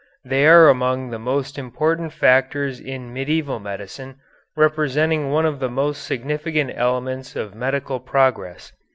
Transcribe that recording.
They are among the most important factors in medieval medicine, representing one of the most significant elements of medical progress.